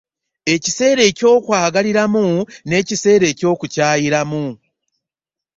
Ekiseera eky'okwagaliramu, n'ekiseera eky'okukyayiramu.